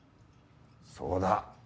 そうだ。